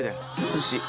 寿司。